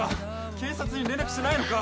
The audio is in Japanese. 警察に連絡しないのか！？